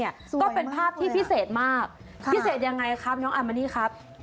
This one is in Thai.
ก็เป็นภาพที่พิเศษมากพิเศษยังไงครับน้องอามานี่ครับ